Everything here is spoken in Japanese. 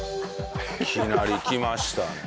いきなりきましたね。